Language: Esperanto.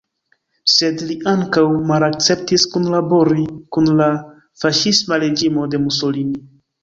Sed li ankaŭ malakceptis kunlabori kun la faŝisma reĝimo de Mussolini.